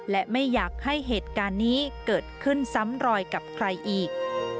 และไม่อยากให้เหตุการณ์นี้เกิดขึ้นซ้ำรอยกับใครอีก